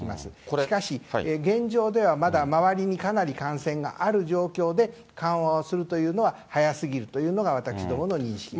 しかし、現状ではまだ周りにかなり感染がある状況で、緩和をするというのは、早すぎるというのが私どもの認識です。